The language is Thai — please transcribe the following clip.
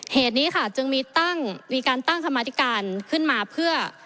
เหตุนี้จึงมีการตั้งคำมาติการขึ้นมาเพื่อ